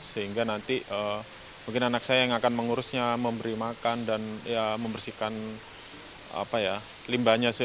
sehingga nanti mungkin anak saya yang akan mengurusnya memberi makan dan membersihkan limbahnya